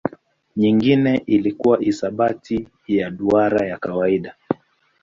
Nyingine ilikuwa hisabati ya duara ya kawaida.